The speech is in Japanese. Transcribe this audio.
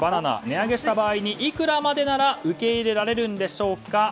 値上げした場合いくらまでなら受け入れられるんでしょうか。